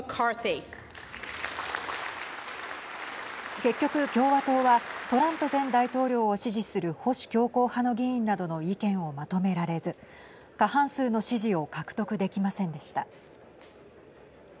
結局、共和党はトランプ前大統領を支持する保守強硬派の議員などの意見をまとめられず過半数の支持を獲得できませんでした。